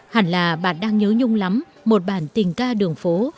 hẳn là bạn đang nhớ nhung lắm một bản tình ca đường phố